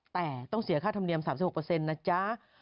แต่ต้องเสียค่าธรรมเนียม๓๖นะจ๊ะ